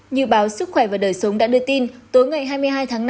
như báo sức khỏe và đời sống đã đưa tin tối ngày hai mươi hai tháng năm